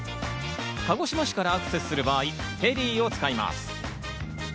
鹿児島市からアクセスする場合、フェリーを使います。